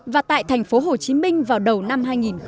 và tại thành phố hồ chí minh vào đầu năm hai nghìn một mươi tám